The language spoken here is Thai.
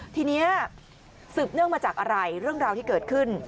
ทีนี้สืบเนื่องมาจากอะไรเรื่องราวที่เกิดขึ้น